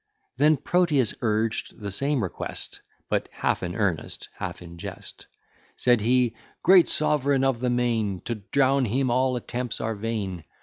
Then Proteus urged the same request, But half in earnest, half in jest; Said he "Great sovereign of the main, To drown him all attempts are vain.